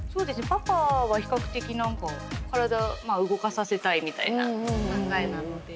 パパは比較的何か体動かさせたいみたいな考えなので。